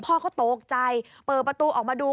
พ่อก็ตกใจเปิดประตูออกมาดู